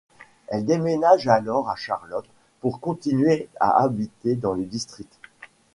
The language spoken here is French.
Elle déménage alors à Charlotte pour continuer à habiter dans le district.